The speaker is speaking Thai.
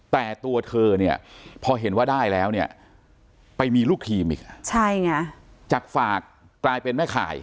แต่ตัวเธอเนี่ยพอเห็นว่าได้แล้วเนี่ยไปมีลูกทีมอีกจากฝากกลายเป็นแม่ข่าย